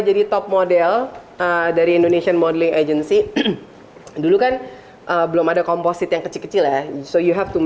jadi top model dari indonesia modeling agency dulu kan belum ada komposit yang kecil kecil ya